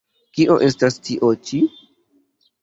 Kio estas tio-ĉi?